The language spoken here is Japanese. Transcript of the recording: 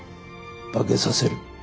化けさせる。